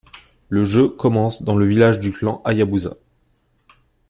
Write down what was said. Le jeu commence dans le village du clan Hayabusa.